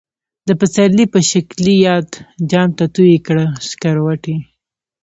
د پسرلی په شکلی یاد، جام ته تویی کړه سکروټی